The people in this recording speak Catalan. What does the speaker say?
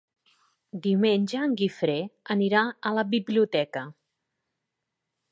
Diumenge en Guifré anirà a la biblioteca.